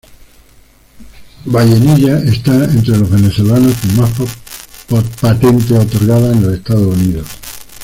Vallenilla está entre los venezolanos con más patentes otorgadas en los Estados Unidos.